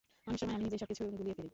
অনেক সময় আমি নিজেই সবকিছু গুলিয়ে ফেলি।